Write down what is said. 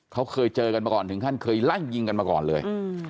เขาเคยเจอกันมาก่อนถึงขั้นเคยไล่ยิงกันมาก่อนเลย